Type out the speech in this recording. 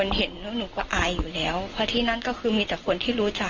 ลุยหัวตัวนั้นกับเขา